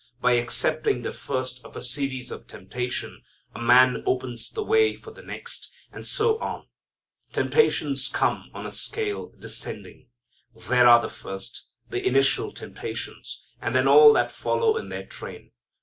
By accepting the first of a series of temptations a man opens the way for the next, and so on. Temptations come on a scale descending. There are the first, the initial temptations, and then all that follow in their train.